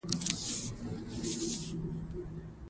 اداره د عامه ګټو ساتنه کوي.